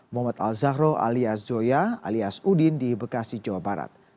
muhammad al zahro alias zoya alias udin di bekasi jawa barat